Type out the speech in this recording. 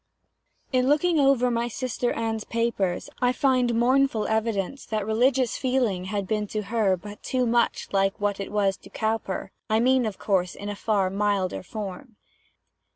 In looking over my sister Anne's papers, I find mournful evidence that religious feeling had been to her but too much like what it was to Cowper; I mean, of course, in a far milder form.